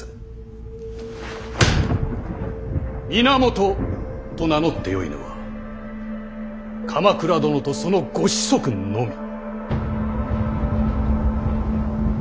源と名乗ってよいのは鎌倉殿とそのご子息のみ。